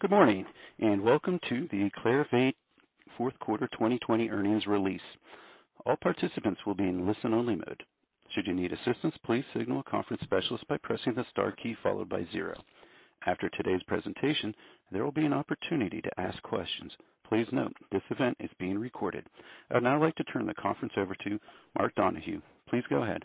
Good morning, and welcome to the Clarivate fourth quarter 2020 earnings release. All participants will be in listen-only mode. Should you need assistance, please signal a conference specialist by pressing the star key followed by zero. After today's presentation, there will be an opportunity to ask questions. Please note, this event is being recorded. I'd now like to turn the conference over to Mark Donohue. Please go ahead.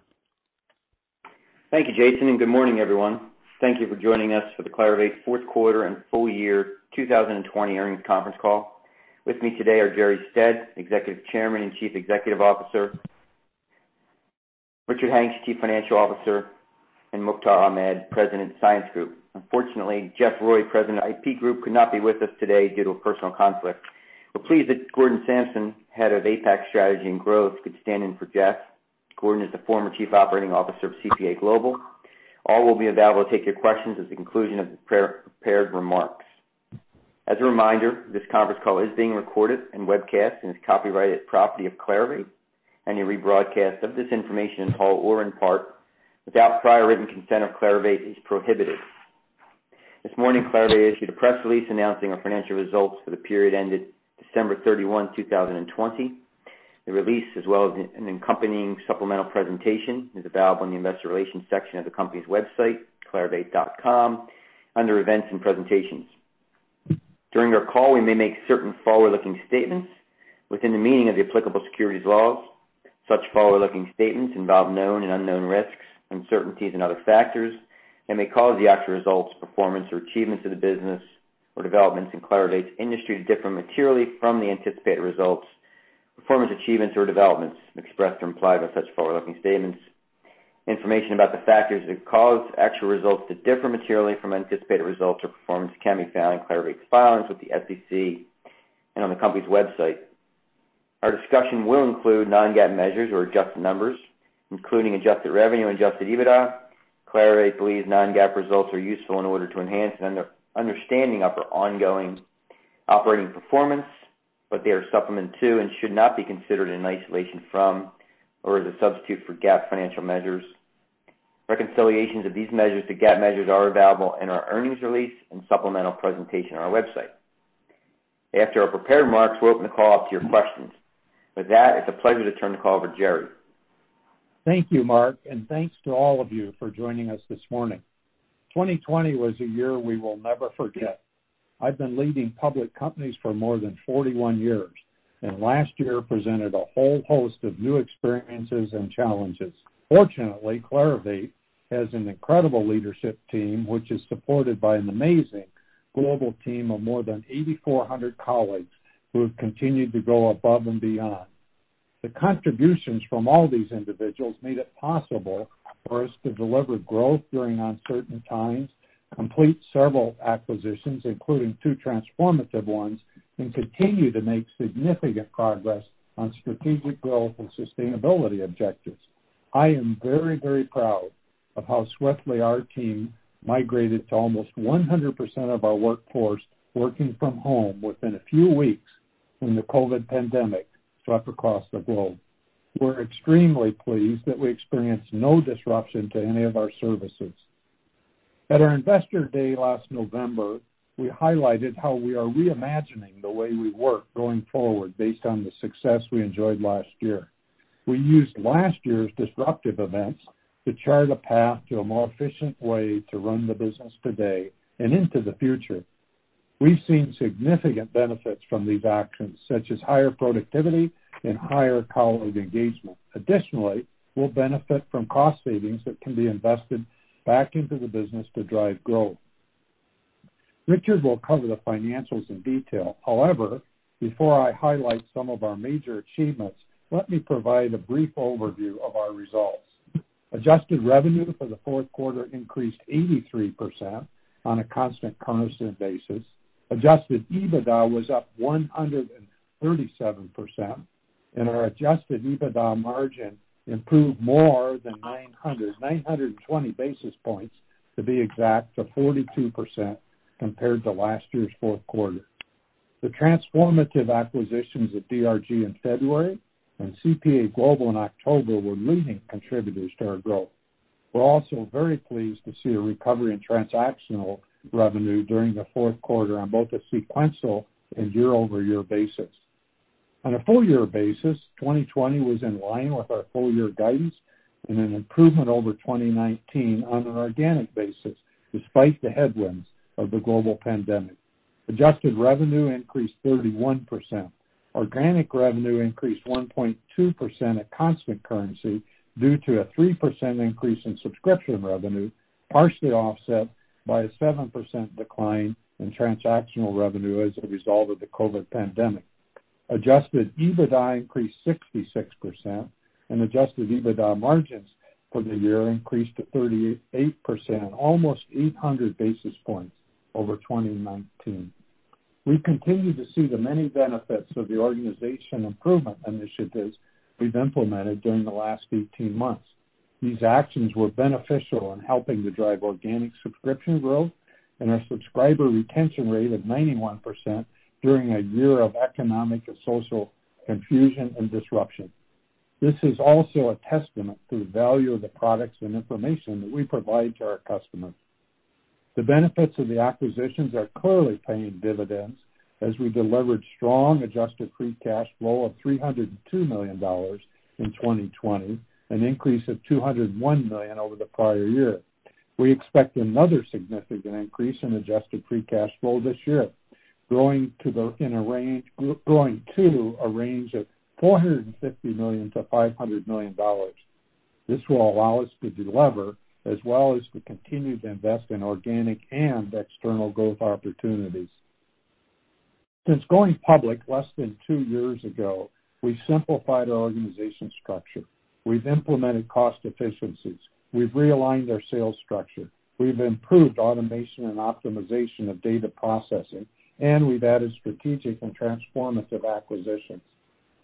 Thank you, Jason, and good morning, everyone. Thank you for joining us for the Clarivate fourth-quarter and full-year 2020 earnings conference call. With me today are Jerre Stead, Executive Chairman and Chief Executive Officer, Richard Hanks, Chief Financial Officer, and Mukhtar Ahmed, President, Science Group. Unfortunately, Jeff Roy, President, IP Group, could not be with us today due to a personal conflict. We're pleased that Gordon Samson, Head of APAC Strategy and Growth, could stand in for Jeff. Gordon is the former Chief Operating Officer of CPA Global. All will be available to take your questions at the conclusion of the prepared remarks. As a reminder, this conference call is being recorded and webcast and is copyrighted property of Clarivate. Any rebroadcast of this information in whole or in part without prior written consent of Clarivate is prohibited. This morning, Clarivate issued a press release announcing our financial results for the period ended December 31, 2020. The release, as well as an accompanying supplemental presentation, is available on the investor relations section of the company's website, clarivate.com, under events and presentations. During our call, we may make certain forward-looking statements within the meaning of the applicable securities laws. Such forward-looking statements involve known and unknown risks, uncertainties, and other factors, and may cause the actual results, performance, or achievements of the business or developments in Clarivate's industry to differ materially from the anticipated results, performance, achievements, or developments expressed or implied by such forward-looking statements. Information about the factors that cause actual results to differ materially from anticipated results or performance can be found in Clarivate's filings with the SEC and on the company's website. Our discussion will include non-GAAP measures or adjusted numbers, including adjusted revenue and adjusted EBITDA. Clarivate believes non-GAAP results are useful in order to enhance an understanding of our ongoing operating performance, but they are a supplement to and should not be considered in isolation from or as a substitute for GAAP financial measures. Reconciliations of these measures to GAAP measures are available in our earnings release and supplemental presentation on our website. After our prepared remarks, we will open the call up to your questions. With that, it is a pleasure to turn the call over to Jerre. Thank you, Mark, and thanks to all of you for joining us this morning. 2020 was a year we will never forget. I've been leading public companies for more than 41 years, and last year presented a whole host of new experiences and challenges. Fortunately, Clarivate has an incredible leadership team, which is supported by an amazing global team of more than 8,400 colleagues who have continued to go above and beyond. The contributions from all these individuals made it possible for us to deliver growth during uncertain times, complete several acquisitions, including two transformative ones, and continue to make significant progress on strategic growth and sustainability objectives. I am very, very proud of how swiftly our team migrated to almost 100% of our workforce working from home within a few weeks when the COVID pandemic swept across the globe. We're extremely pleased that we experienced no disruption to any of our services. At our Investor Day last November, we highlighted how we are reimagining the way we work going forward based on the success we enjoyed last year. We used last year's disruptive events to chart a path to a more efficient way to run the business today and into the future. We've seen significant benefits from these actions, such as higher productivity and higher colleague engagement. Additionally, we'll benefit from cost savings that can be invested back into the business to drive growth. Richard will cover the financials in detail. Before I highlight some of our major achievements, let me provide a brief overview of our results. Adjusted revenue for the fourth quarter increased 83% on a constant currency basis. Adjusted EBITDA was up 137%, and our adjusted EBITDA margin improved more than 920 basis points, to be exact, to 42% compared to last year's fourth quarter. The transformative acquisitions of DRG in February and CPA Global in October were leading contributors to our growth. We're also very pleased to see a recovery in transactional revenue during the fourth quarter on both a sequential and year-over-year basis. On a full-year basis, 2020 was in line with our full-year guidance and an improvement over 2019 on an organic basis, despite the headwinds of the global pandemic. Adjusted revenue increased 31%. Organic revenue increased 1.2% at constant currency due to a 3% increase in subscription revenue, partially offset by a 7% decline in transactional revenue as a result of the COVID pandemic. Adjusted EBITDA increased 66%, and adjusted EBITDA margins for the year increased to 38%, almost 800 basis points over 2019. We continue to see the many benefits of the organization improvement initiatives we've implemented during the last 18 months. These actions were beneficial in helping to drive organic subscription growth and our subscriber retention rate of 91% during a year of economic and social confusion and disruption. This is also a testament to the value of the products and information that we provide to our customers. The benefits of the acquisitions are clearly paying dividends as we delivered a strong adjusted free cash flow of $302 million in 2020, an increase of $201 million over the prior year. We expect another significant increase in adjusted free cash flow this year, growing to a range of $450 million-$500 million. This will allow us to deliver, as well as to continue to invest in organic and external growth opportunities. Since going public less than two years ago, we've simplified our organization structure. We've implemented cost efficiencies. We've realigned our sales structure. We've improved automation and optimization of data processing, and we've added strategic and transformative acquisitions.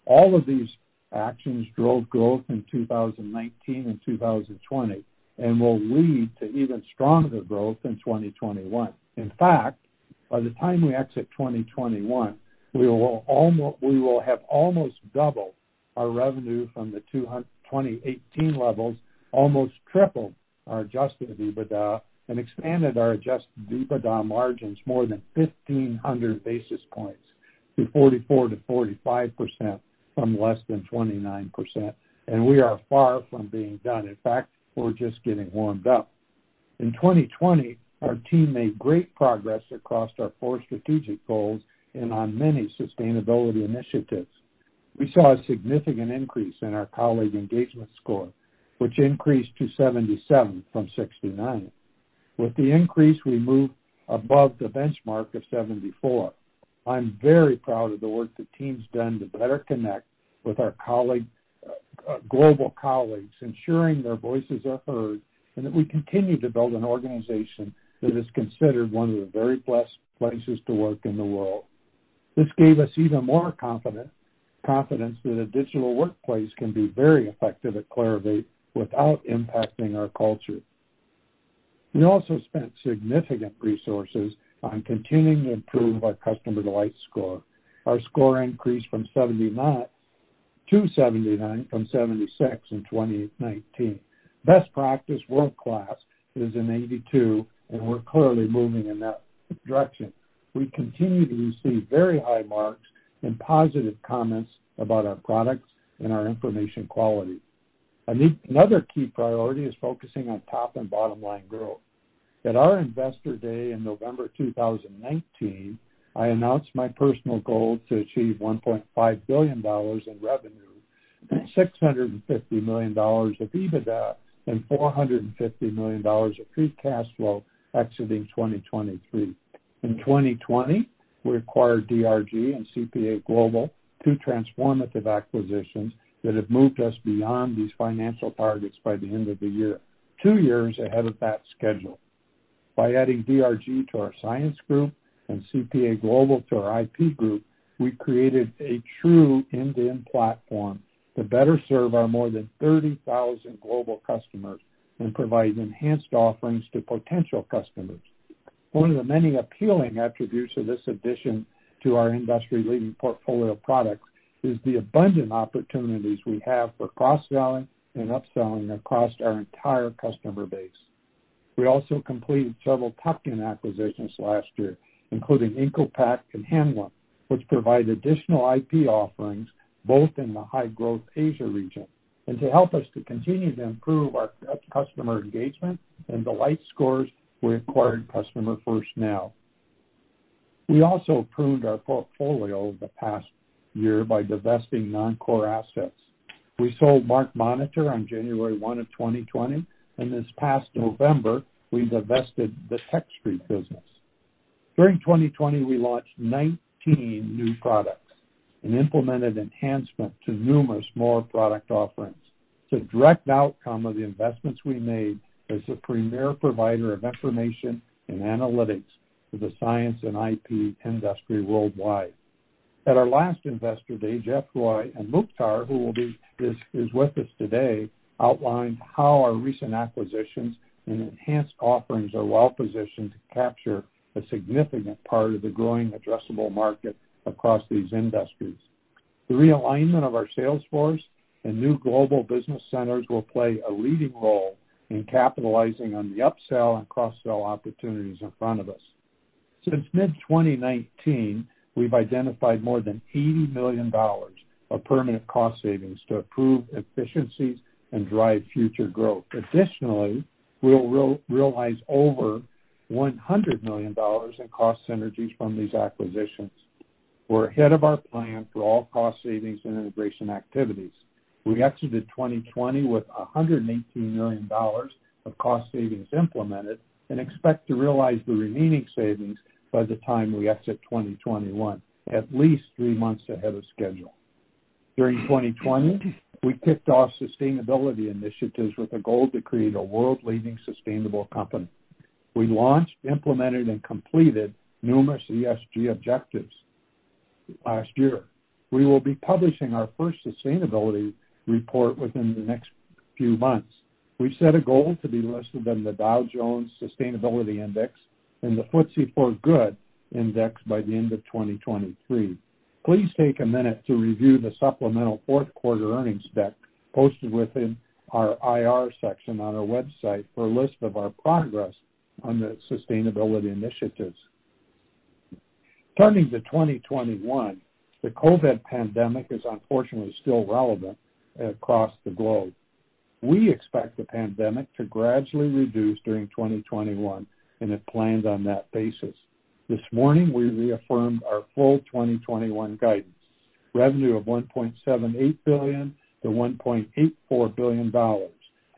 All of these actions drove growth in 2019 and 2020 and will lead to even stronger growth in 2021. In fact, by the time we exit 2021, we will have almost doubled our revenue from the 2018 levels, almost tripled our adjusted EBITDA, and expanded our adjusted EBITDA margins more than 1,500 basis points to 44%-45% from less than 29%, and we are far from being done. In fact, we're just getting warmed up. In 2020, our team made great progress across our four strategic goals and on many sustainability initiatives. We saw a significant increase in our colleague engagement score, which increased to 77 from 69. With the increase, we moved above the benchmark of 74. I'm very proud of the work the team's done to better connect with our global colleagues, ensuring their voices are heard and that we continue to build an organization that is considered one of the very best places to work in the world. This gave us even more confidence that a digital workplace can be very effective at Clarivate without impacting our culture. We also spent significant resources on continuing to improve our customer delight score. Our score increased to 79 from 76 in 2019. Best practice world-class is an 82, and we're clearly moving in that direction. We continue to receive very high marks and positive comments about our products and our information quality. Another key priority is focusing on top and bottom-line growth. At our Investor Day in November 2019, I announced my personal goal to achieve $1.5 billion in revenue, $650 million of EBITDA, and $450 million of free cash flow exiting 2023. In 2020, we acquired DRG and CPA Global, two transformative acquisitions that have moved us beyond these financial targets by the end of the year, two years ahead of that schedule. By adding DRG to our Science Group and CPA Global to our IP Group, we created a true end-to-end platform to better serve our more than 30,000 global customers and provide enhanced offerings to potential customers. One of the many appealing attributes of this addition to our industry-leading portfolio of products is the abundant opportunities we have for cross-selling and upselling across our entire customer base. We also completed several tuck-in acquisitions last year, including IncoPat and Hanlim, which provide additional IP offerings both in the high-growth Asia region. To help us to continue to improve our customer engagement and delight scores, we acquired CustomersFirst Now. We also pruned our portfolio over the past year by divesting non-core assets. We sold MarkMonitor on January 1, 2020, and this past November, we divested the Techstreet business. During 2020, we launched 19 new products and implemented enhancements to numerous more product offerings. It's a direct outcome of the investments we made as a premier provider of information and analytics to the science and IP industry worldwide. At our last Investor Day, Jeff Roy and Mukhtar, who is with us today, outlined how our recent acquisitions and enhanced offerings are well-positioned to capture a significant part of the growing addressable market across these industries. The realignment of our sales force and new global business centers will play a leading role in capitalizing on the upsell and cross-sell opportunities in front of us. Since mid-2019, we've identified more than $80 million of permanent cost savings to improve efficiencies and drive future growth. Additionally, we'll realize over $100 million in cost synergies from these acquisitions. We're ahead of our plan for all cost savings and integration activities. We exited 2020 with $118 million of cost savings implemented and expect to realize the remaining savings by the time we exit 2021, at least three months ahead of schedule. During 2020, we kicked off sustainability initiatives with a goal to create a world-leading sustainable company. We launched, implemented, and completed numerous ESG objectives last year. We will be publishing our first sustainability report within the next few months. We've set a goal to be listed on the Dow Jones Sustainability Index and the FTSE4Good Index by the end of 2023. Please take a minute to review the supplemental fourth quarter earnings deck posted within our IR section on our website for a list of our progress on the sustainability initiatives. Turning to 2021, the COVID pandemic is unfortunately still relevant across the globe. We expect the pandemic to gradually reduce during 2021, and have planned on that basis. This morning, we reaffirmed our full 2021 guidance. Revenue of $1.78 billion-$1.84 billion,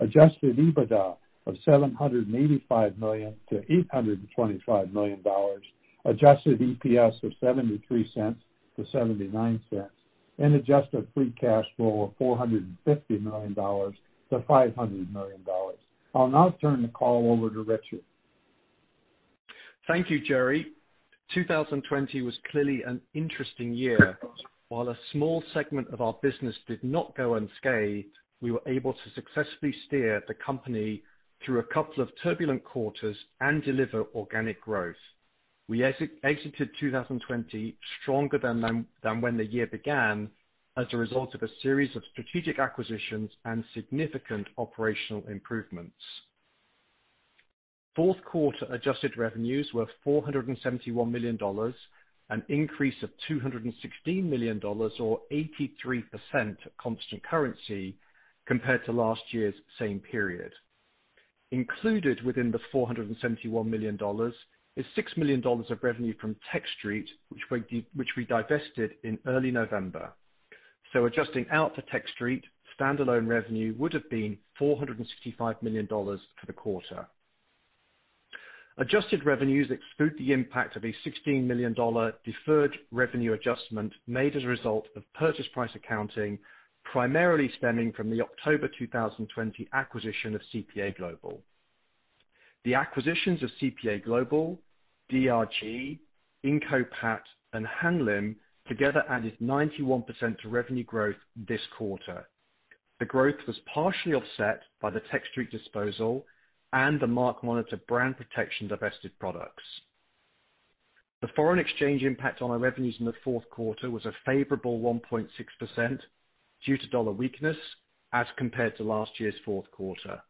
adjusted EBITDA of $785 million-$825 million, adjusted EPS of $0.73-$0.79, and adjusted free cash flow of $450 million-$500 million. I'll now turn the call over to Richard. Thank you, Jerre. 2020 was clearly an interesting year. While a small segment of our business did not go unscathed, we were able to successfully steer the company through a couple of turbulent quarters and deliver organic growth. We exited 2020 stronger than when the year began as a result of a series of strategic acquisitions and significant operational improvements. Fourth quarter adjusted revenues were $471 million, an increase of $216 million, or 83% at constant currency, compared to last year's same period. Included within the $471 million is $6 million of revenue from Techstreet, which we divested in early November. Adjusting out for Techstreet, stand-alone revenue would have been $465 million for the quarter. Adjusted revenues exclude the impact of a $16 million deferred revenue adjustment made as a result of purchase price accounting, primarily stemming from the October 2020 acquisition of CPA Global. The acquisitions of CPA Global, DRG, IncoPat, and Hanlim together added 91% to revenue growth this quarter. The growth was partially offset by the Techstreet disposal and the MarkMonitor brand protection divested products. The foreign exchange impact on our revenues in the fourth quarter was a favorable 1.6% due to dollar weakness as compared to last year's fourth quarter.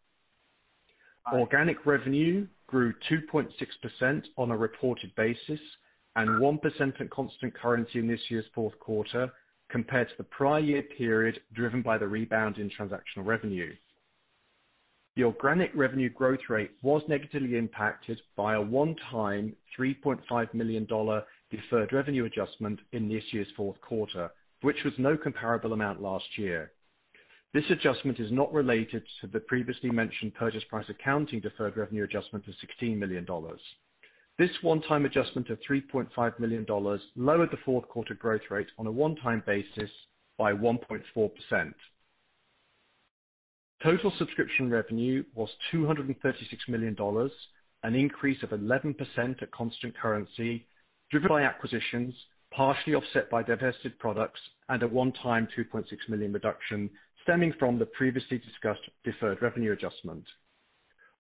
Organic revenue grew 2.6% on a reported basis and 1% at constant currency in this year's fourth quarter compared to the prior year period, driven by the rebound in transactional revenue. The organic revenue growth rate was negatively impacted by a one-time $3.5 million deferred revenue adjustment in this year's fourth quarter, which was no comparable amount last year. This adjustment is not related to the previously mentioned purchase price accounting deferred revenue adjustment of $16 million. This one-time adjustment of $3.5 million lowered the fourth quarter growth rate on a one-time basis by 1.4%. Total subscription revenue was $236 million, an increase of 11% at constant currency, driven by acquisitions, partially offset by divested products, and a one-time $2.6 million reduction stemming from the previously discussed deferred revenue adjustment.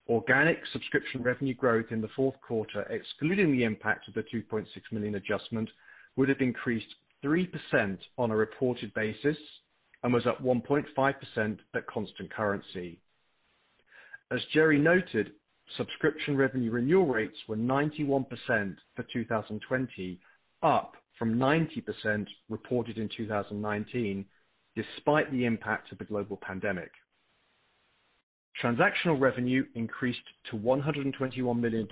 Organic subscription revenue growth in the fourth quarter, excluding the impact of the $2.6 million adjustment, would have increased 3% on a reported basis and was up 1.5% at constant currency. As Jerre noted, subscription revenue renewal rates were 91% for 2020, up from 90% reported in 2019, despite the impact of the global pandemic. Transactional revenue increased to $121 million,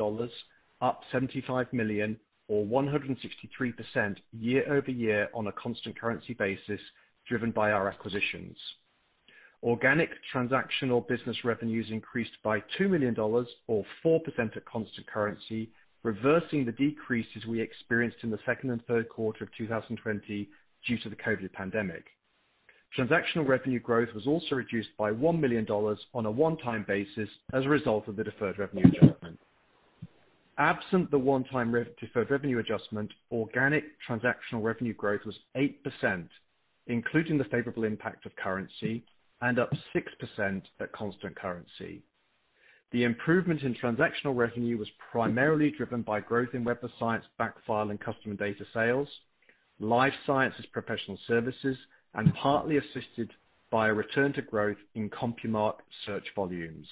up $75 million or 163% year-over-year on a constant currency basis driven by our acquisitions. Organic transactional business revenues increased by $2 million, or 4% at constant currency, reversing the decreases we experienced in the second and third quarter of 2020 due to the COVID pandemic. Transactional revenue growth was also reduced by $1 million on a one-time basis as a result of the deferred revenue adjustment. Absent the one-time deferred revenue adjustment, organic transactional revenue growth was 8%, including the favorable impact of currency, and up 6% at constant currency. The improvement in transactional revenue was primarily driven by growth in Web of Science backfile and customer data sales, life sciences professional services, and partly assisted by a return to growth in CompuMark search volumes.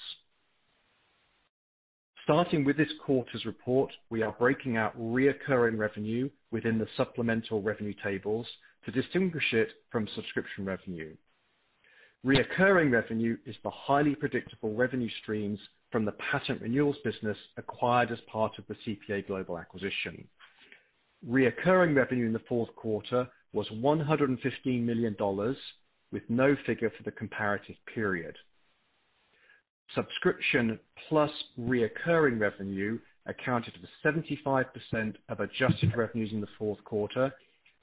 Starting with this quarter's report, we are breaking out reoccurring revenue within the supplemental revenue tables to distinguish it from subscription revenue. Reoccurring revenue is the highly predictable revenue streams from the patent renewals business acquired as part of the CPA Global acquisition. Reoccurring revenue in the fourth quarter was $115 million, with no figure for the comparative period. Subscription plus reoccurring revenue accounted for 75% of adjusted revenues in the fourth quarter,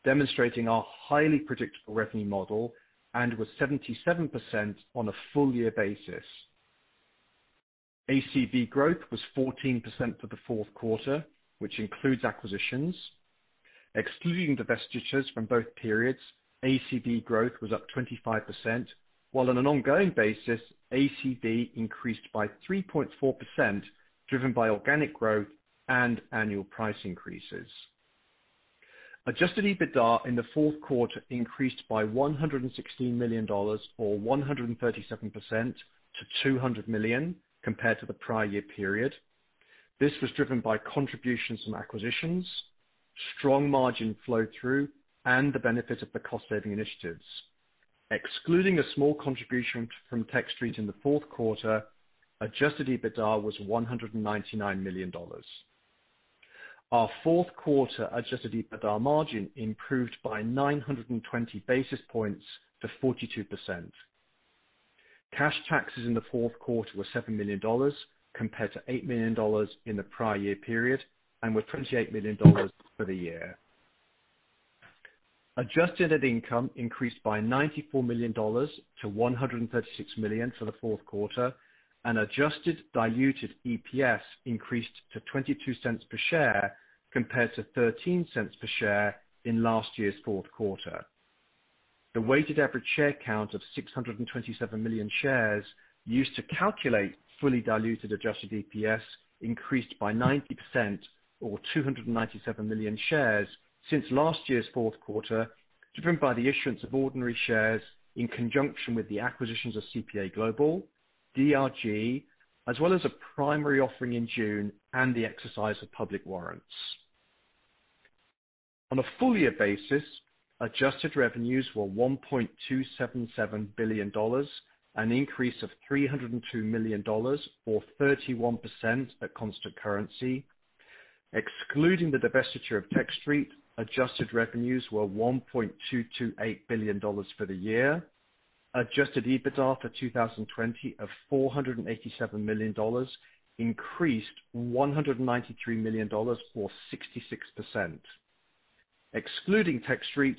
demonstrating our highly predictable revenue model, and was 77% on a full year basis. ACV growth was 14% for the fourth quarter, which includes acquisitions. Excluding divestitures from both periods, ACV growth was up 25%, while on an ongoing basis, ACV increased by 3.4%, driven by organic growth and annual price increases. Adjusted EBITDA in the fourth quarter increased by $116 million, or 137%, to $200 million compared to the prior year period. This was driven by contributions from acquisitions, strong margin flow-through, and the benefit of the cost-saving initiatives. Excluding a small contribution from Techstreet in the fourth quarter, adjusted EBITDA was $199 million. Our fourth quarter adjusted EBITDA margin improved by 920 basis points to 42%. Cash taxes in the fourth quarter were $7 million compared to $8 million in the prior year period, and were $28 million for the year. Adjusted net income increased by $94 million-$136 million for the fourth quarter, and adjusted diluted EPS increased to $0.22 per share compared to $0.13 per share in last year's fourth quarter. The weighted average share count of 627 million shares used to calculate fully diluted adjusted EPS increased by 90%, or 297 million shares since last year's fourth quarter, driven by the issuance of ordinary shares in conjunction with the acquisitions of CPA Global, DRG, as well as a primary offering in June and the exercise of public warrants. On a full year basis, adjusted revenues were $1.277 billion, an increase of $302 million, or 31% at constant currency. Excluding the divestiture of Techstreet, adjusted revenues were $1.228 billion for the year. Adjusted EBITDA for 2020 of $487 million increased $193 million, or 66%. Excluding Techstreet,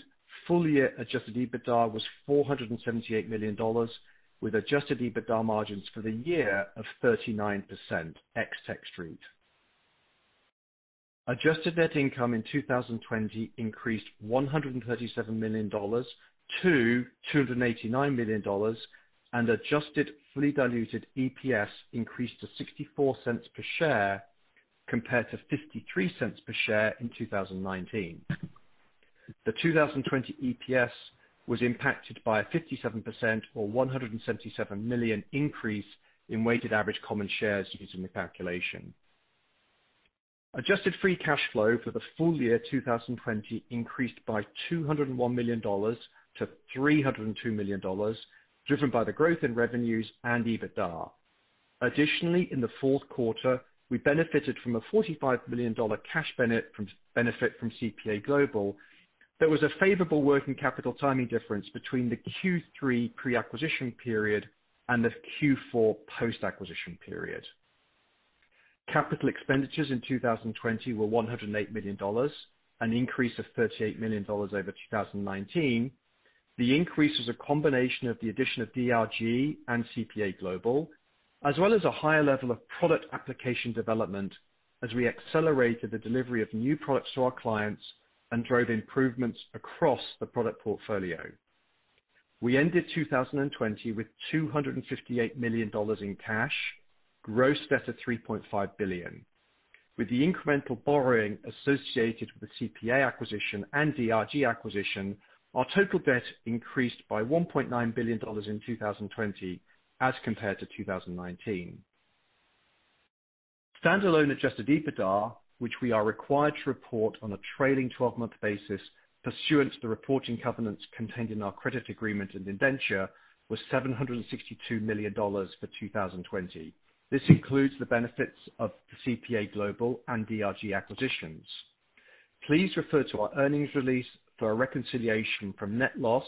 full year adjusted EBITDA was $478 million, with adjusted EBITDA margins for the year of 39%, ex Techstreet. Adjusted net income in 2020 increased $137 million-$289 million, and adjusted fully diluted EPS increased to $0.64 per share compared to $0.53 per share in 2019. The 2020 EPS was impacted by a 57%, or 177 million increase in weighted average common shares used in the calculation. Adjusted free cash flow for the full year 2020 increased by $201 million-$302 million, driven by the growth in revenues and EBITDA. Additionally, in the fourth quarter, we benefited from a $45 million cash benefit from CPA Global. There was a favorable working capital timing difference between the Q3 pre-acquisition period and the Q4 post-acquisition period. Capital expenditures in 2020 were $108 million, an increase of $38 million over 2019. The increase was a combination of the addition of DRG and CPA Global, as well as a higher level of product application development as we accelerated the delivery of new products to our clients and drove improvements across the product portfolio. We ended 2020 with $258 million in cash, gross debt of $3.5 billion. With the incremental borrowing associated with the CPA acquisition and DRG acquisition, our total debt increased by $1.9 billion in 2020 as compared to 2019. Standalone adjusted EBITDA, which we are required to report on a trailing 12-month basis pursuant to the reporting covenants contained in our credit agreement and indenture, was $762 million for 2020. This includes the benefits of the CPA Global and DRG acquisitions. Please refer to our earnings release for a reconciliation from net loss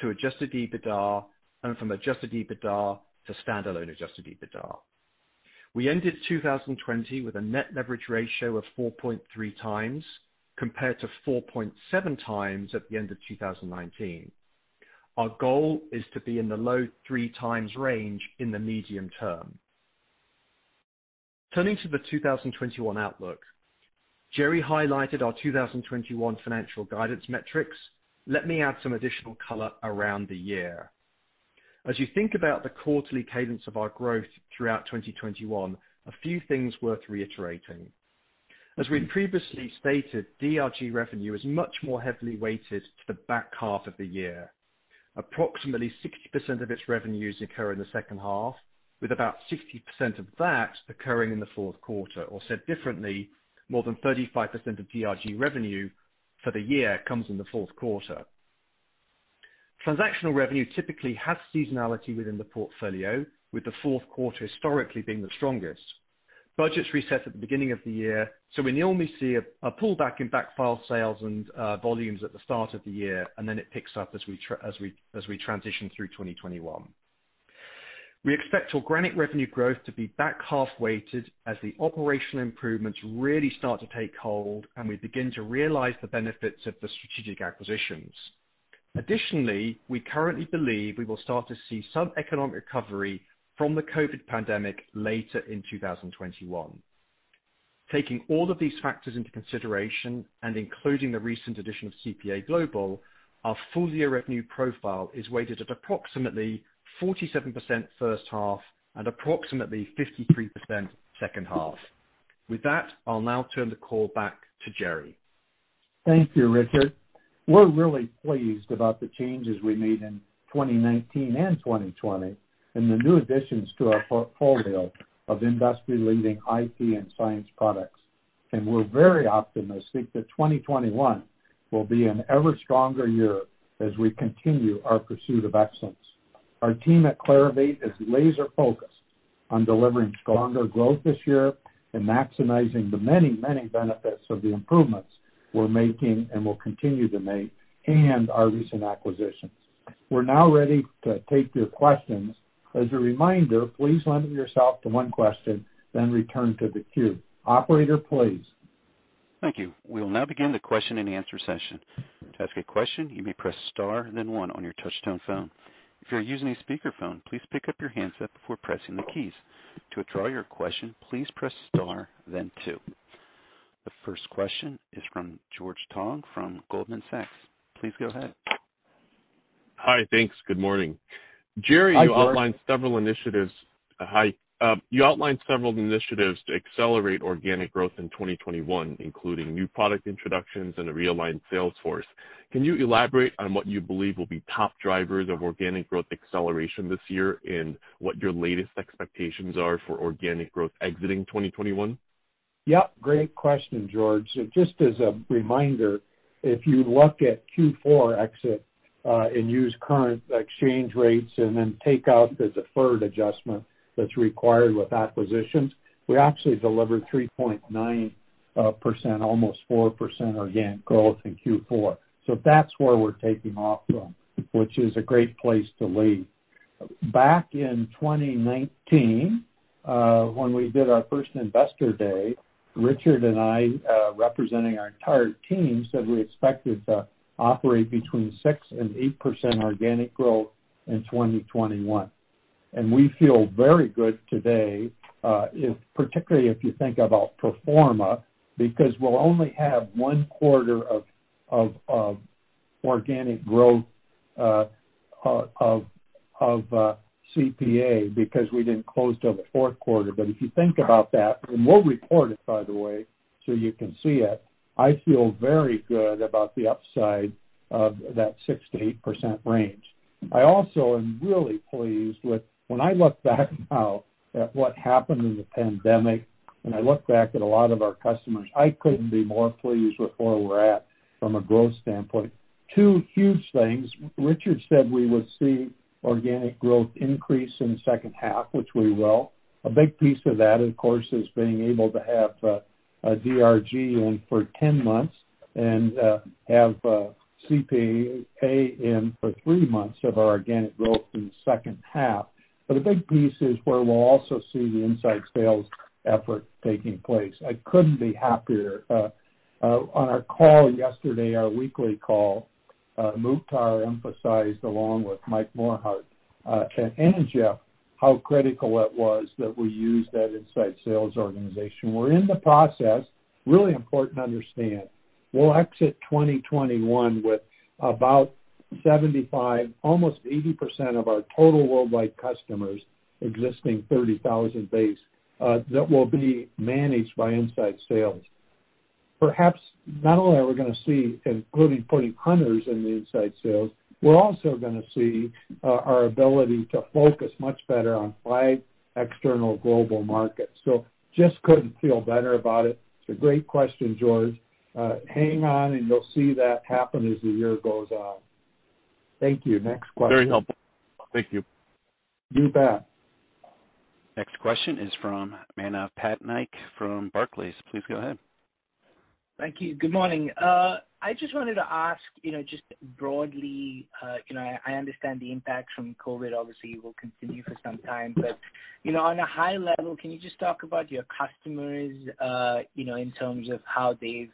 to adjusted EBITDA and from adjusted EBITDA to standalone adjusted EBITDA. We ended 2020 with a net leverage ratio of 4.3 times, compared to 4.7 times at the end of 2019. Our goal is to be in the low three times range in the medium term. Turning to the 2021 outlook. Jerre highlighted our 2021 financial guidance metrics. Let me add some additional color around the year. As you think about the quarterly cadence of our growth throughout 2021, a few things worth reiterating. As we previously stated, DRG revenue is much more heavily weighted to the back half of the year. Approximately 60% of its revenues occur in the second half, with about 60% of that occurring in the fourth quarter. Said differently, more than 35% of DRG revenue for the year comes in the fourth quarter. Transactional revenue typically has seasonality within the portfolio, with the fourth quarter historically being the strongest. Budgets reset at the beginning of the year, so we normally see a pullback in backfile sales and volumes at the start of the year, and then it picks up as we transition through 2021. We expect organic revenue growth to be back half weighted as the operational improvements really start to take hold and we begin to realize the benefits of the strategic acquisitions. We currently believe we will start to see some economic recovery from the COVID pandemic later in 2021. Taking all of these factors into consideration, and including the recent addition of CPA Global, our full-year revenue profile is weighted at approximately 47% first half and approximately 53% second half. With that, I'll now turn the call back to Jerre. Thank you, Richard. We're really pleased about the changes we made in 2019 and 2020, and the new additions to our portfolio of industry-leading IP and Science products. We're very optimistic that 2021 will be an ever stronger year as we continue our pursuit of excellence. Our team at Clarivate is laser-focused on delivering stronger growth this year and maximizing the many benefits of the improvements we're making and will continue to make, and our recent acquisitions. We're now ready to take your questions. As a reminder, please limit yourself to one question, then return to the queue. Operator, please. Thank you. We will now begin the question and answer session. If you ask a question you may press star then one in your touchtone phone. If your using a speaker phone please pick up your handset before pressing the keys. To withdraw your question press star then two. The first question is from George Tong from Goldman Sachs. Please go ahead. Hi, thanks. Good morning. Hi, George. Hi. You outlined several initiatives to accelerate organic growth in 2021, including new product introductions and a realigned sales force. Can you elaborate on what you believe will be top drivers of organic growth acceleration this year, and what your latest expectations are for organic growth exiting 2021? Great question, George. Just as a reminder, if you look at Q4 exit, and use current exchange rates and then take out the deferred adjustment that's required with acquisitions, we actually delivered 3.9%, almost 4% organic growth in Q4. That's where we're taking off from, which is a great place to lead. Back in 2019, when we did our first Investor Day, Richard and I, representing our entire team, said we expected to operate between 6% and 8% organic growth in 2021. We feel very good today, particularly if you think about pro forma, because we'll only have one quarter of organic growth of CPA because we didn't close till the fourth quarter. If you think about that, and we'll report it, by the way, so you can see it, I feel very good about the upside of that 6%-8% range. I also am really pleased with when I look back now at what happened in the pandemic, and I look back at a lot of our customers, I couldn't be more pleased with where we're at from a growth standpoint. Two huge things. Richard said we would see organic growth increase in the second half, which we will. A big piece of that, of course, is being able to have DRG in for 10 months and have CPA in for three months of our organic growth in the second half. A big piece is where we'll also see the inside sales effort taking place. I couldn't be happier. On our call yesterday, our weekly call, Mukhtar emphasized, along with Mike Morhart, and Jeff, how critical it was that we use that inside sales organization. We're in the process. Really important to understand. We'll exit 2021 with about 75%, almost 80% of our total worldwide customers, existing 30,000 base, that will be managed by inside sales. Perhaps not only are we going to see, including putting hunters in the inside sales, we're also going to see our ability to focus much better on five external global markets. Just couldn't feel better about it. It's a great question, George. Hang on, you'll see that happen as the year goes on. Thank you. Next question. Very helpful. Thank you. You bet. Next question is from Manav Patnaik from Barclays. Please go ahead. Thank you. Good morning. I just wanted to ask, just broadly, I understand the impact from COVID obviously will continue for some time. On a high level, can you just talk about your customers, in terms of how they've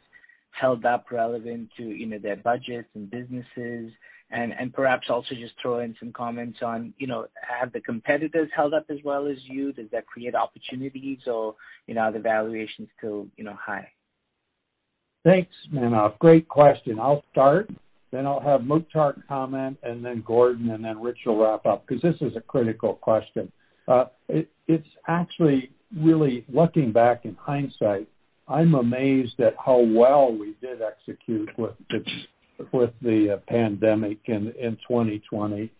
held up relevant to their budgets and businesses and perhaps also just throw in some comments on, have the competitors held up as well as you? Does that create opportunities or the valuations go high? Thanks, Manav. Great question. I'll start, then I'll have Mukhtar comment, and then Gordon, and then Richard will wrap up, because this is a critical question. It's actually really, looking back in hindsight, I'm amazed at how well we did execute with the pandemic in 2020.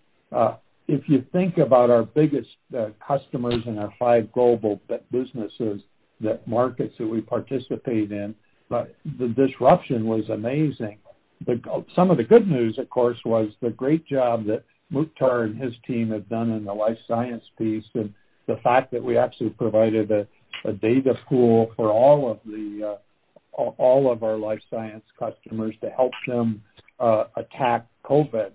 If you think about our biggest customers and our five global businesses, net markets that we participate in, the disruption was amazing. Some of the good news, of course, was the great job that Mukhtar and his team have done in the life science piece, and the fact that we actually provided a data pool for all of our life science customers to help them attack COVID.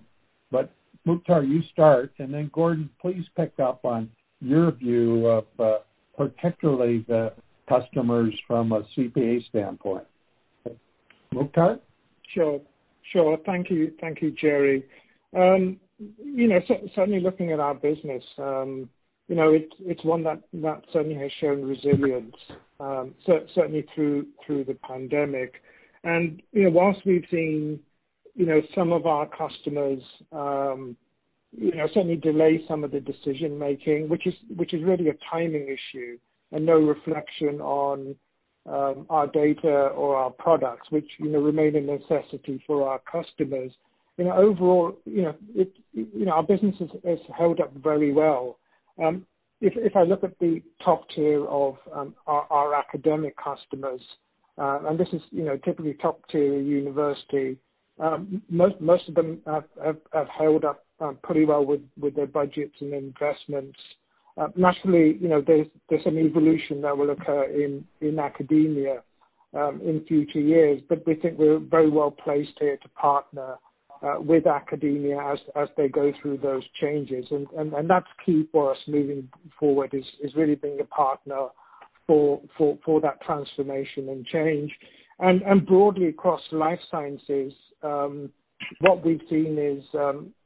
Mukhtar, you start, and then Gordon, please pick up on your view of particularly the customers from a CPA standpoint. Mukhtar? Sure. Thank you, Jerre. Certainly looking at our business, it's one that certainly has shown resilience certainly through the pandemic. Whilst we've seen some of our customers certainly delay some of the decision-making, which is really a timing issue and no reflection on our data or our products, which remain a necessity for our customers. Overall, our business has held up very well. If I look at the top tier of our academic customers, and this is typically top tier university, most of them have held up pretty well with their budgets and investments. Naturally, there's an evolution that will occur in academia in future years. We think we're very well placed here to partner with academia as they go through those changes. That's key for us moving forward, is really being a partner for that transformation and change. Broadly across life sciences, what we've seen is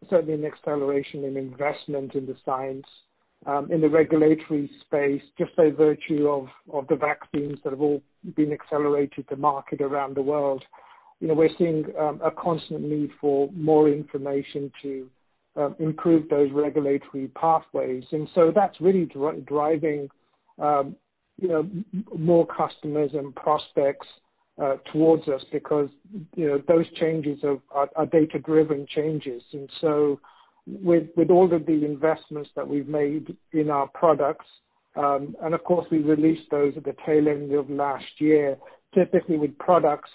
certainly an acceleration in investment in the science, in the regulatory space, just by virtue of the vaccines that have all been accelerated to market around the world. We're seeing a constant need for more information to improve those regulatory pathways. That's really driving more customers and prospects towards us because those changes are data-driven changes. With all of the investments that we've made in our products, and of course, we released those at the tail end of last year, typically with products,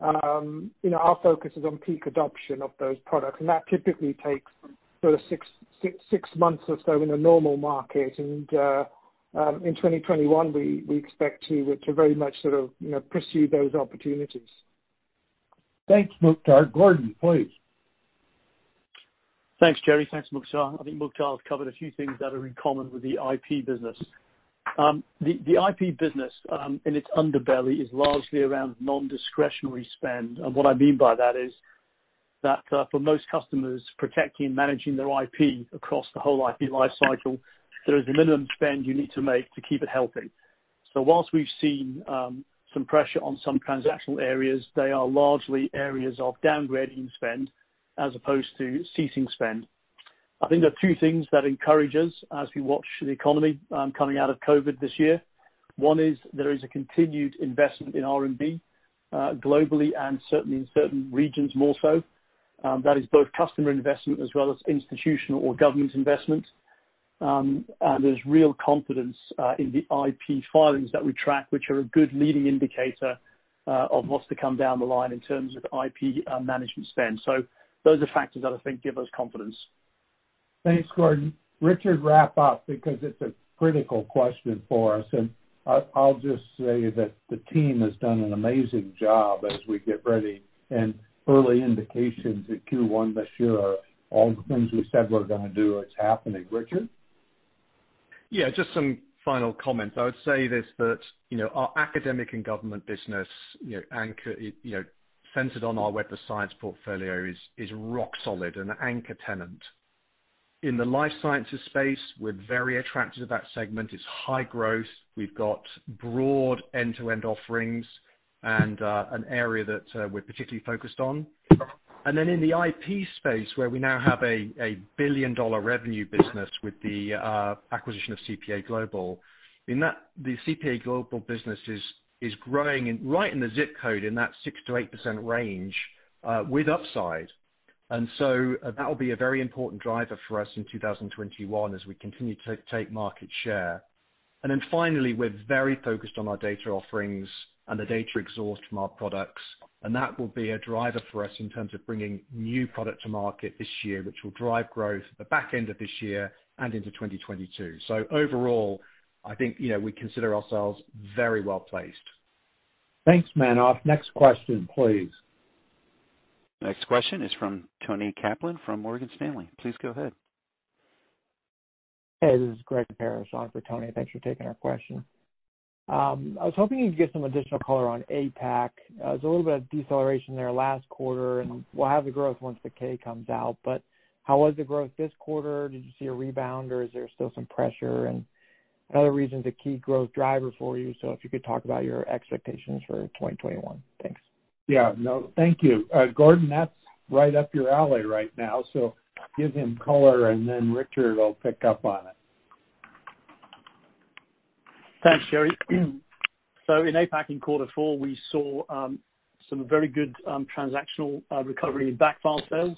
our focus is on peak adoption of those products. That typically takes six months or so in a normal market. In 2021, we expect to very much sort of pursue those opportunities. Thanks, Mukhtar. Gordon, please. Thanks, Jerre. Thanks, Mukhtar. I think Mukhtar has covered a few things that are in common with the IP business. The IP business, in its underbelly, is largely around non-discretionary spend. What I mean by that is that for most customers protecting and managing their IP across the whole IP life cycle, there is a minimum spend you need to make to keep it healthy. Whilst we've seen some pressure on some transactional areas, they are largely areas of downgrading spend as opposed to ceasing spend. I think there are two things that encourage us as we watch the economy coming out of COVID this year. One is there is a continued investment in R&D, globally and certainly in certain regions more so. That is both customer investment as well as institutional or government investment. There's real confidence in the IP filings that we track, which are a good leading indicator of what's to come down the line in terms of IP management spend. Those are factors that I think give us confidence. Thanks, Gordon. Richard, wrap up, because it's a critical question for us. I'll just say that the team has done an amazing job as we get ready, and early indications in Q1 this year are all the things we said we're going to do, it's happening. Richard? Yeah, just some final comments. I would say this, that our academic and government business centered on our Web of Science portfolio is rock solid, an anchor tenant. In the life sciences space, we're very attracted to that segment. It's high growth. We've got broad end-to-end offerings and an area that we're particularly focused on. In the IP space, where we now have a billion-dollar revenue business with the acquisition of CPA Global, the CPA Global business is growing right in the ZIP code, in that 6%-8% range, with upside. That will be a very important driver for us in 2021 as we continue to take market share. Finally, we're very focused on our data offerings and the data exhaust from our products. That will be a driver for us in terms of bringing new product to market this year, which will drive growth the back end of this year and into 2022. Overall, I think we consider ourselves very well-placed. Thanks, Manav. Next question, please. Next question is from Toni Kaplan from Morgan Stanley. Please go ahead. Hey, this is Greg Parrish on for Toni. Thanks for taking our question. I was hoping you'd give some additional color on APAC. There was a little bit of deceleration there last quarter, and we'll have the growth once the K comes out. How was the growth this quarter? Did you see a rebound, or is there still some pressure? Another reason, it's a key growth driver for you. If you could talk about your expectations for 2021. Thanks. Yeah. No, thank you. Gordon, that's right up your alley right now. Give him color, and then Richard will pick up on it. Thanks, Jerre. In APAC in quarter four, we saw some very good transactional recovery in backfile sales.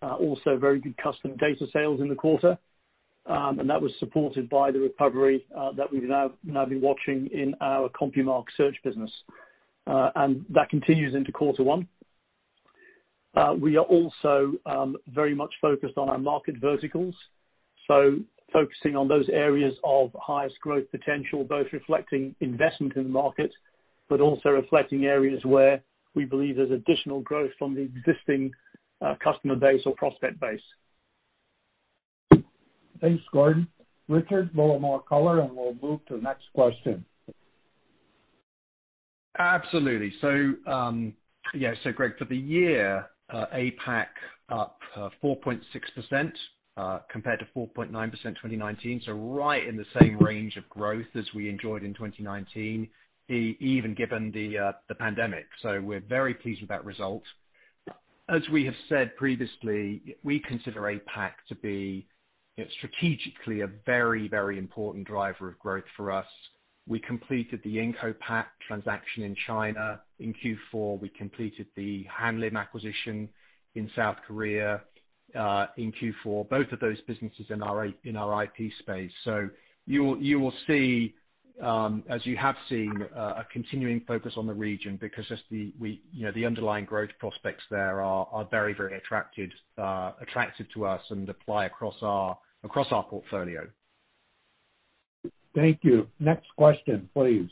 Also very good custom data sales in the quarter. That was supported by the recovery that we've now been watching in our CompuMark Search business. That continues into quarter one. We are also very much focused on our market verticals. Focusing on those areas of highest growth potential, both reflecting investment in the market, but also reflecting areas where we believe there's additional growth from the existing customer base or prospect base. Thanks, Gordon. Richard, a little more color, and we'll move to the next question. Absolutely. Greg, for the year, APAC up 4.6% compared to 4.9% 2019. Right in the same range of growth as we enjoyed in 2019, even given the pandemic. We're very pleased with that result. As we have said previously, we consider APAC to be strategically a very important driver of growth for us. We completed the IncoPat transaction in China in Q4. We completed the Hanlim acquisition in South Korea in Q4. Both of those businesses in our IP space. You will see, as you have seen, a continuing focus on the region because the underlying growth prospects there are very attractive to us and apply across our portfolio. Thank you. Next question, please.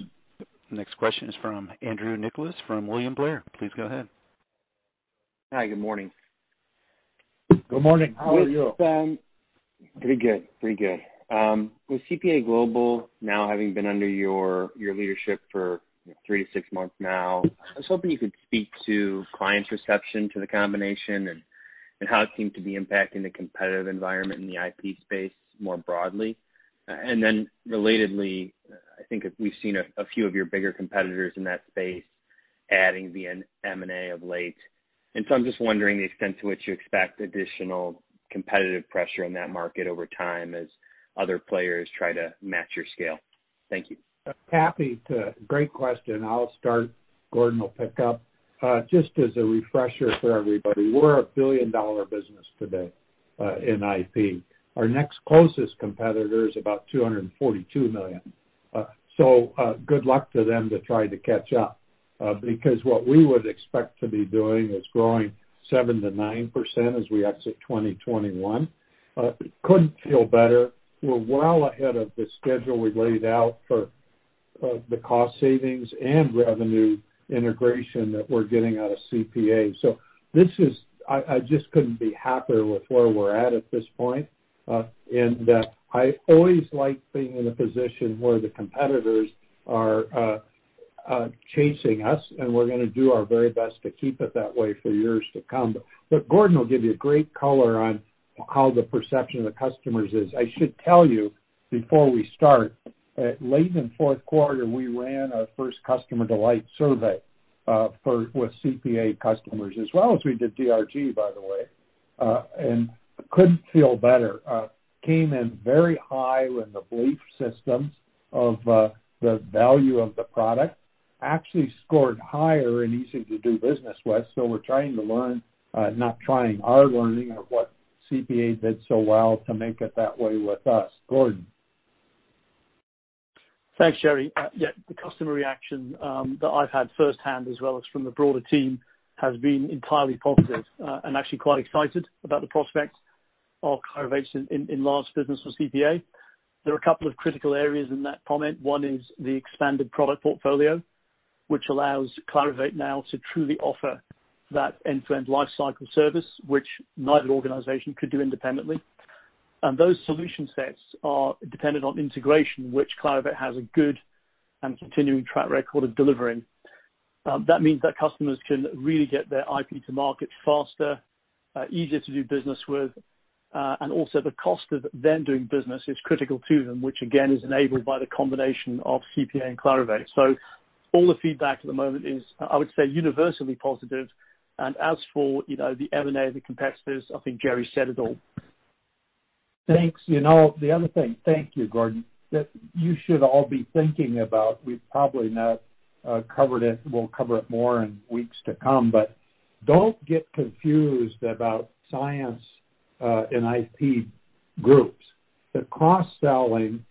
Next question is from Andrew Nicholas, from William Blair. Please go ahead. Hi, good morning. Good morning. How are you? Pretty good. With CPA Global now having been under your leadership for three to six months now, I was hoping you could speak to clients' reception to the combination and how it seems to be impacting the competitive environment in the IP space more broadly. Relatedly, I think we've seen a few of your bigger competitors in that space adding via M&A of late. I'm just wondering the extent to which you expect additional competitive pressure in that market over time as other players try to match your scale. Thank you. Happy to. Great question. I'll start. Gordon will pick up. Just as a refresher for everybody, we're a billion-dollar business today in IP. Our next closest competitor is about $242 million. Good luck to them to try to catch up, because what we would expect to be doing is growing 7%-9% as we exit 2021. Couldn't feel better. We're well ahead of the schedule we laid out for the cost savings and revenue integration that we're getting out of CPA. I just couldn't be happier with where we're at at this point. I always like being in a position where the competitors are chasing us, and we're going to do our very best to keep it that way for years to come. Gordon will give you great color on how the perception of the customers is. I should tell you before we start, late in the fourth quarter, we ran our first customer delight survey with CPA customers as well as we did DRG, by the way. Couldn't feel better. Came in very high in the belief systems of the value of the product. Actually scored higher in easy to do business with. We're trying to learn, not trying, our learning of what CPA did so well to make it that way with us. Gordon. Thanks, Jerre. Yeah, the customer reaction that I've had firsthand, as well as from the broader team, has been entirely positive, and actually quite excited about the prospects of Clarivate in large business with CPA. There are a couple of critical areas in that comment. One is the expanded product portfolio, which allows Clarivate now to truly offer that end-to-end lifecycle service, which neither organization could do independently. Those solution sets are dependent on integration, which Clarivate has a good and continuing track record of delivering. That means that customers can really get their IP to market faster, easier to do business with, and also the cost of them doing business is critical to them, which again, is enabled by the combination of CPA and Clarivate. All the feedback at the moment is, I would say, universally positive. As for the M&A, the competitors, I think Jerre said it all. Thanks. The other thing, thank you, Gordon, that you should all be thinking about, we've probably not covered it. We'll cover it more in weeks to come, but don't get confused about Science Group and IP groups. The cross-selling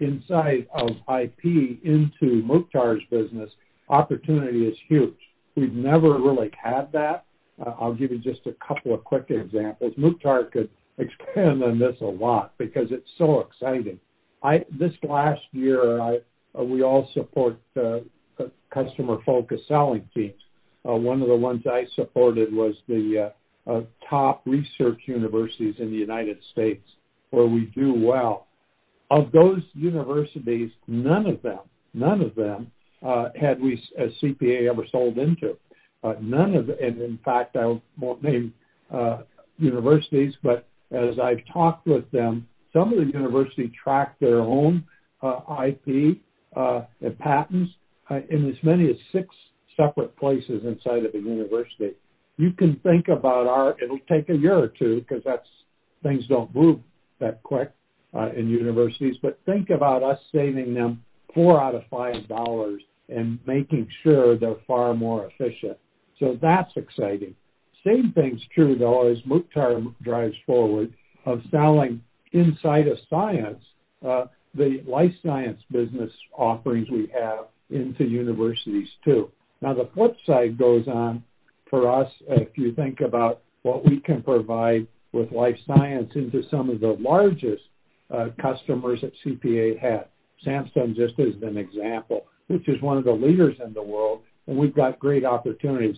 inside of IP into Mukhtar's business opportunity is huge. We've never really had that. I'll give you just a couple of quick examples. Mukhtar could expand on this a lot because it's so exciting. This last year, we all support customer-focused selling teams. One of the ones I supported was the top research universities in the United States, where we do well. Of those universities, none of them had CPA ever sold into. None of them. In fact, I won't name universities, but as I've talked with them, some of the universities track their own IP and patents in as many as six separate places inside of the university. You can think about It'll take a year or two because things don't move that quick in universities. Think about us saving them four out of $5 and making sure they're far more efficient. That's exciting. Same thing's true, though, as Mukhtar drives forward of selling inside of science, the Life Science business offerings we have into universities, too. The flip side goes on for us, if you think about what we can provide with Life Science into some of the largest customers that CPA had, Samsung just as an example, which is one of the leaders in the world, and we've got great opportunities.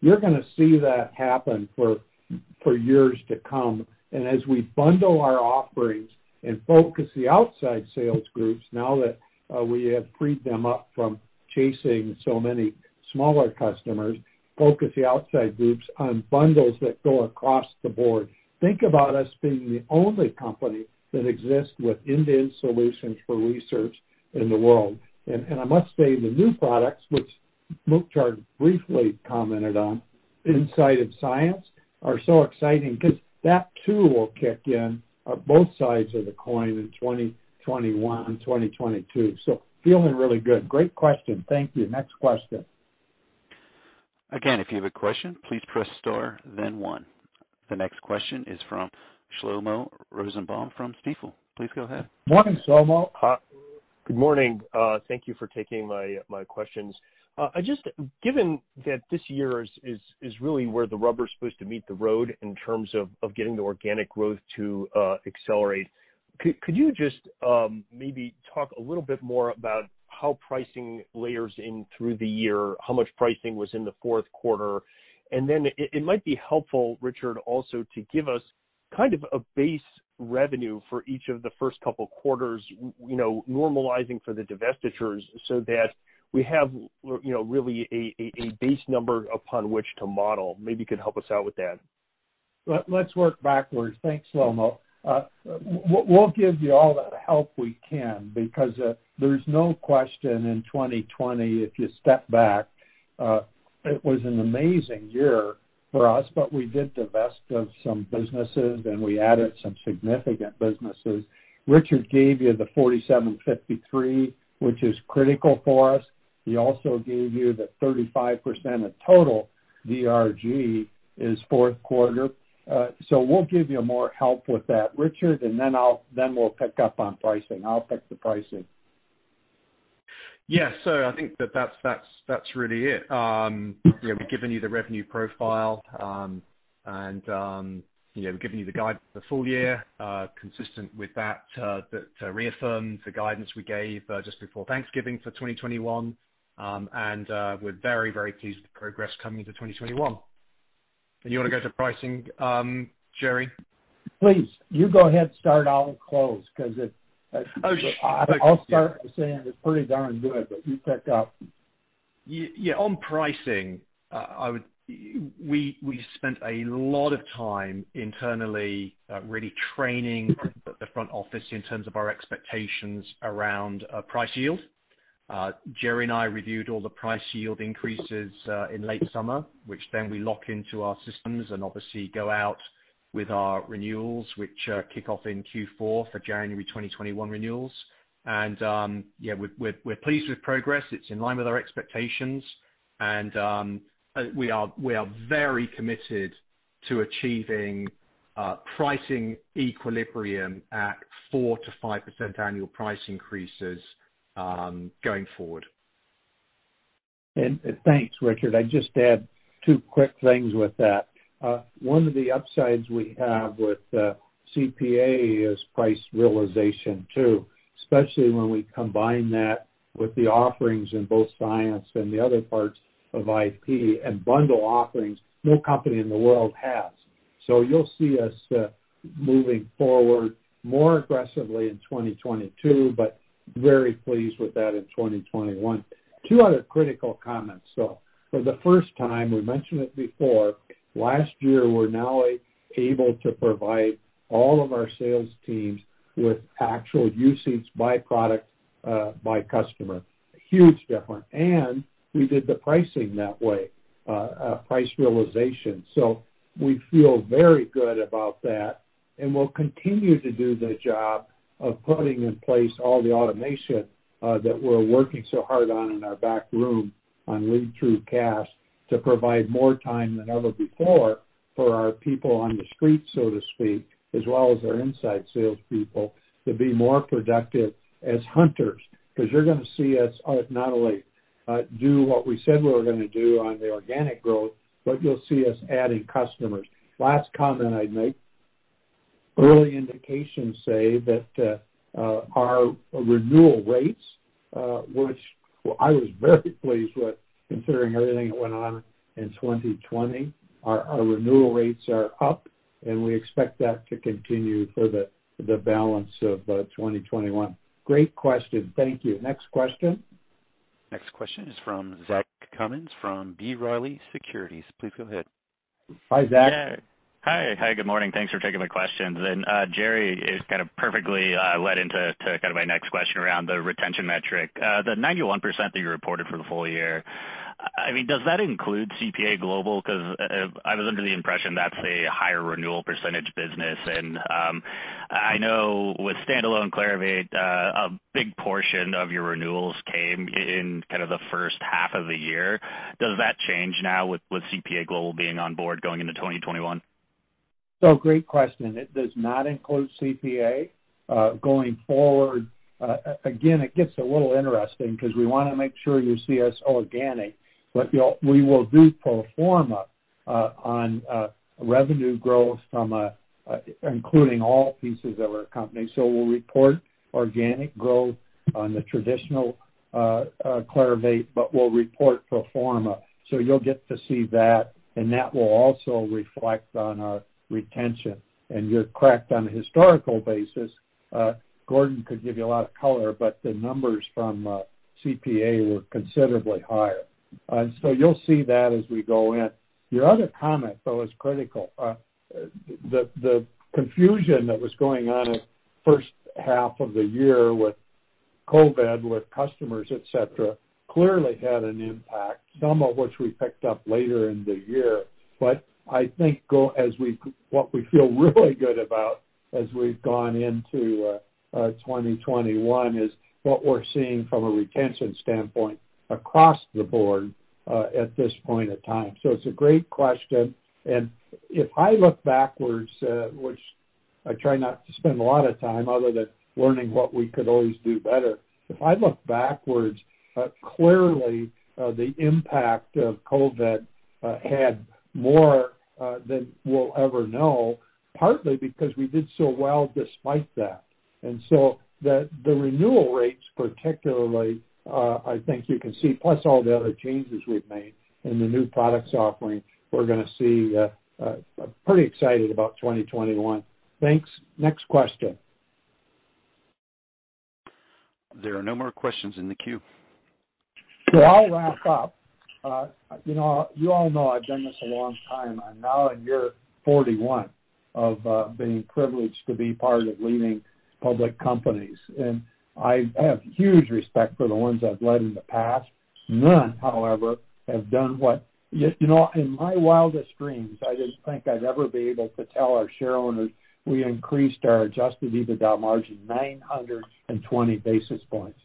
You're going to see that happen for years to come. As we bundle our offerings and focus the outside sales groups, now that we have freed them up from chasing so many smaller customers, focus the outside groups on bundles that go across the board. Think about us being the only company that exists with end-to-end solutions for research in the world. I must say, the new products, which Mukhtar briefly commented on inside of science are so exciting because that too will kick in on both sides of the coin in 2021 and 2022. Feeling really good. Great question. Thank you. Next question. Again, if you have a question, please press star then one. The next question is from Shlomo Rosenbaum from Stifel. Please go ahead. Morning, Shlomo. Good morning. Thank you for taking my questions. Given that this year is really where the rubber is supposed to meet the road in terms of getting the organic growth to accelerate, could you just maybe talk a little bit more about how pricing layers in through the year, how much pricing was in the fourth quarter? It might be helpful, Richard, also to give us kind of a base revenue for each of the first couple quarters, normalizing for the divestitures so that we have really a base number upon which to model. Maybe you could help us out with that. Let's work backwards. Thanks, Shlomo. We'll give you all the help we can, because there's no question in 2020, if you step back, it was an amazing year for us, but we did divest of some businesses, and we added some significant businesses. Richard gave you the 4,753, which is critical for us. He also gave you the 35% of total DRG is fourth quarter. We'll give you more help with that, Richard, and then we'll pick up on pricing. I'll pick the pricing. Yes. I think that's really it. We've given you the revenue profile, and we've given you the guidance for full year, consistent with that, to reaffirm the guidance we gave just before Thanksgiving for 2021, and we're very pleased with the progress coming to 2021. You want to go to pricing, Jerre? Please, you go ahead and start. I'll close because. Oh, sure. I'll start by saying it's pretty darn good, but you pick up. Yeah. On pricing, we spent a lot of time internally, really training the front office in terms of our expectations around price yield. Jerre and I reviewed all the price yield increases in late summer, which then we lock into our systems and obviously go out with our renewals, which kick off in Q4 for January 2021 renewals. We're pleased with progress. It's in line with our expectations, and we are very committed to achieving pricing equilibrium at 4%-5% annual price increases going forward. Thanks, Richard. I'd just add two quick things with that. One of the upsides we have with CPA is price realization too, especially when we combine that with the offerings in both Science and the other parts of IP and bundle offerings no company in the world has. You'll see us moving forward more aggressively in 2022, but very pleased with that in 2021. Two other critical comments, though. For the first time, we mentioned it before, last year, we're now able to provide all of our sales teams with actual usage by product, by customer. Huge difference. We did the pricing that way, price realization. We feel very good about that, and we'll continue to do the job of putting in place all the automation that we're working so hard on in our back room on lead through cash to provide more time than ever before for our people on the street, so to speak, as well as our inside salespeople, to be more productive as hunters. You're going to see us not only do what we said we were going to do on the organic growth, but you'll see us adding customers. Last comment I'd make. Early indications say that our renewal rates which I was very pleased with, considering everything that went on in 2020, our renewal rates are up, and we expect that to continue for the balance of 2021. Great question. Thank you. Next question. Next question is from Zach Cummins from B. Riley Securities. Please go ahead. Hi, Zach. Hi. Good morning. Thanks for taking my questions. Jerre, it's kind of perfectly led into my next question around the retention metric. The 91% that you reported for the full year, does that include CPA Global? I was under the impression that's a higher renewal percentage business, and I know with standalone Clarivate, a big portion of your renewals came in the first half of the year. Does that change now with CPA Global being on board going into 2021? Great question. It does not include CPA going forward. Again, it gets a little interesting because we want to make sure you see us organic, but we will do pro forma on revenue growth including all pieces of our company. We'll report organic growth on the traditional Clarivate, but we'll report pro forma. You'll get to see that, and that will also reflect on our retention. You're correct on a historical basis. Gordon could give you a lot of color, but the numbers from CPA were considerably higher. You'll see that as we go in. Your other comment, though, is critical. The confusion that was going on in first half of the year with COVID, with customers, et cetera, clearly had an impact, some of which we picked up later in the year. I think what we feel really good about as we've gone into 2021 is what we're seeing from a retention standpoint across the board at this point in time. It's a great question, and if I look backwards, which I try not to spend a lot of time other than learning what we could always do better. If I look backwards, clearly, the impact of COVID had more than we'll ever know, partly because we did so well despite that. The renewal rates, particularly, I think you can see, plus all the other changes we've made in the new products offering, we're going to see pretty excited about 2021. Thanks. Next question. There are no more questions in the queue. I'll wrap up. You all know I've done this a long time. I'm now in year 41 of being privileged to be part of leading public companies, and I have huge respect for the ones I've led in the past. None, however, have done. In my wildest dreams, I didn't think I'd ever be able to tell our shareowners we increased our adjusted EBITDA margin 920 basis points.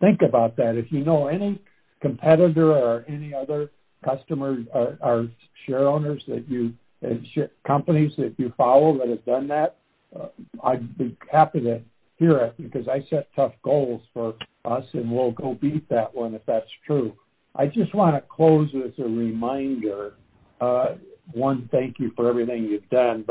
Think about that. If you know any competitor or any other customer or shareowners that you companies that you follow that have done that, I'd be happy to hear it, because I set tough goals for us, and we'll go beat that one if that's true. I just want to close with a reminder. One, thank you for everything you've done.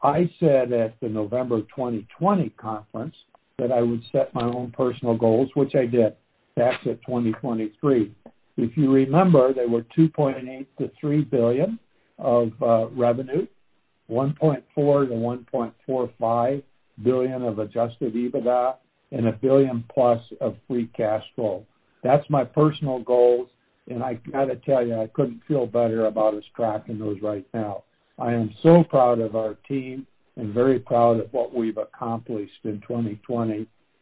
I said at the November 2020 conference that I would set my own personal goals, which I did, back to 2023. If you remember, they were $2.8 billion-$3 billion of revenue, $1.4 billion-$1.45 billion of adjusted EBITDA, and $1 billion plus of free cash flow. That's my personal goals, and I got to tell you, I couldn't feel better about us tracking those right now. I am so proud of our team and very proud of what we've accomplished in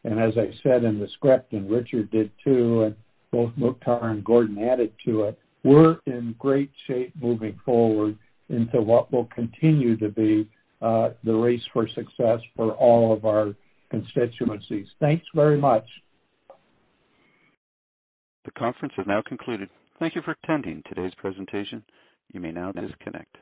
2020. As I said in the script, and Richard did too, and both Mukhtar and Gordon added to it, we're in great shape moving forward into what will continue to be the race for success for all of our constituencies. Thanks very much. The conference has now concluded. Thank you for attending today's presentation. You may now disconnect.